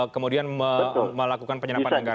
kemudian melakukan penyerapan negara